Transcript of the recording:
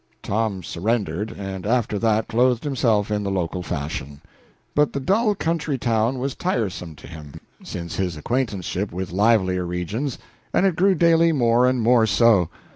Tom surrendered, and after that clothed himself in the local fashion. But the dull country town was tiresome to him, since his acquaintanceship with livelier regions, and it grew daily more and more so.